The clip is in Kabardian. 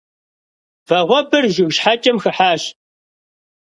Вагъуэбэр жыг щхьэкӀэм хыхьащ.